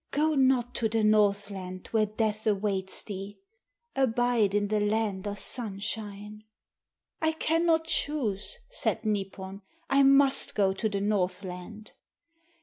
"Go not to the Northland where death awaits thee. Abide in the land of Sunshine." "I can not choose," said Nipon. "I must go to the Northland."